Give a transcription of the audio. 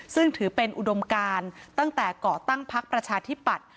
ซึ่งถือเป็นอุดมการตั้งแต่ก่อตั้งพักประชาธิปัตย